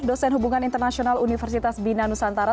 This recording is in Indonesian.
dosen hubungan internasional universitas bina nusantara